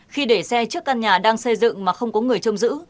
khi để xe trước căn nhà đang xây dựng mà không có người chôm giữ